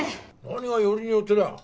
何がよりによってだ。